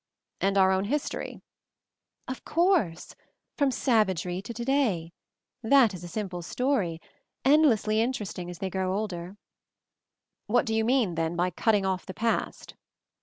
"And our own history?" "Of course; from savagery to to day— that is a simple story, endlessly interesting as they grow older." "What do you mean, then, by cutting off the past?"